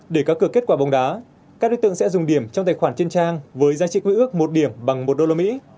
để có cửa kết quả bóng đá các đối tượng sẽ dùng điểm trong tài khoản trên trang với giá trị quý ước một điểm bằng một đô la mỹ